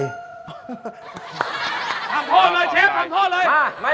ทานโทษเลยเชฟทานโทษเลย